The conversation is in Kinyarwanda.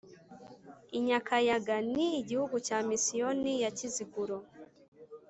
I Nyakayaga ni igihugu cya Misiyoni ya Kiziguro